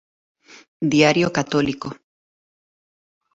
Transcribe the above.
Diario católico.